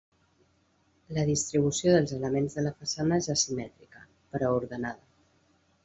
La distribució dels elements de la façana és asimètrica, però ordenada.